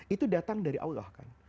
itu datang dari allah kan